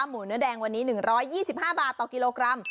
หมูเนื้อแดงวันนี้๑๒๕บาทต่อกิโลกรัม